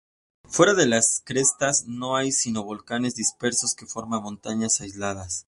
Fuera de las crestas no hay sino volcanes dispersos que forman montañas aisladas.